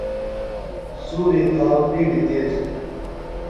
سُوری تاؤ بِیڈیۡ تیز دےۡ۔